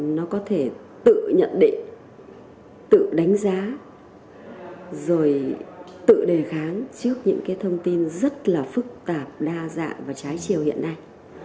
nó có thể tự nhận định tự đánh giá rồi tự đề kháng trước những cái thông tin rất là phức tạp đa dạng và trái chiều hiện nay